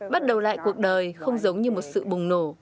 bắt đầu lại cuộc đời không giống như một sự bùng nổ